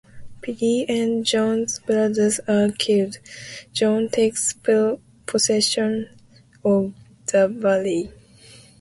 Pirrie and John's brother are killed; John takes possession of the valley.